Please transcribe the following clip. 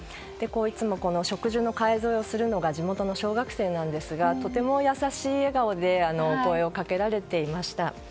いつも植樹の介添えをするのが地元の小学生なんですがとても優しい笑顔でお声をかけられていました。